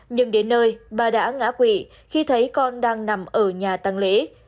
nhưng đến nơi bà đã ngã quỷ khi thấy con đang nằm ở nhà tăng lễ